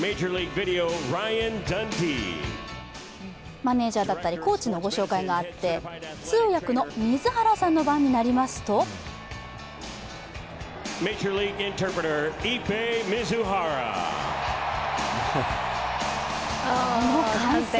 マネージャーだったりコーチのご紹介があって通訳の水原さんの番になりますとこの歓声。